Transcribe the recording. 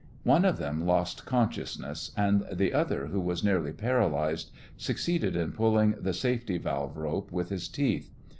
One of them lost consciousness, and the other, who was nearly paralyzed, succeeded in pulling the safety valve rope, with his teeth.